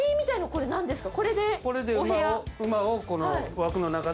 これ何ですか？